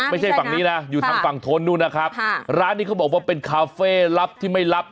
ไม่ใช่ฝั่งนี้นะอยู่ทางฝั่งทนนู่นนะครับค่ะร้านนี้เขาบอกว่าเป็นคาเฟ่ลับที่ไม่รับ